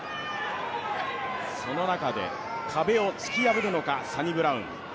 その中で壁を突き破るのかサニブラウン。